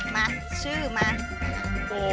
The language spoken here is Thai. มาชื่อมา